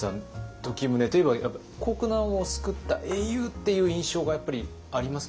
時宗といえば国難を救った英雄っていう印象がやっぱりありますけど実際どう？